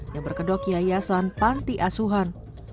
yang berkedok yayasan panti asuhan